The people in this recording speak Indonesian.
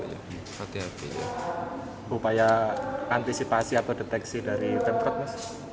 upaya antisipasi atau deteksi dari tempat